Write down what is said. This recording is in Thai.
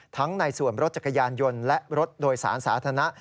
ในส่วนรถจักรยานยนต์และรถโดยสารสาธารณะ